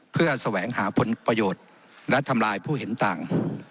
เพื่อแสวงหาผลประโยชน์และทำลายผู้เห็นต่าง